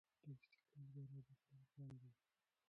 د استقلال بیرغ به تل رپاند وي.